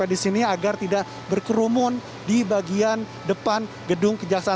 di sini agar tidak berkerumun di bagian depan gedung kejaksaan